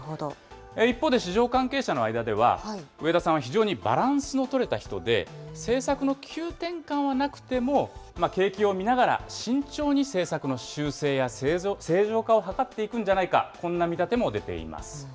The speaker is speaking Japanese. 一方で市場関係者の間では、植田さんは非常にバランスのとれた人で、政策の急転換はなくても、景気を見ながら慎重に政策の修正や正常化を図っていくんじゃないか、こんな見立ても出ています。